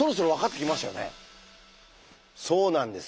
そうなんです。